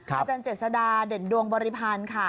อาจารย์เจษดาเด่นดวงบริพันธ์ค่ะ